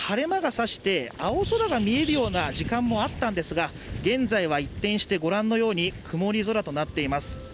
１時間ほど前には、一時、晴れ間が差して青空も見えることもあったのですが現在は一転して御覧のように曇り空となっています。